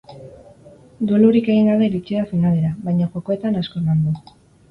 Duelurik egin gabe iritsi da finalera, baina jokoetan asko eman du.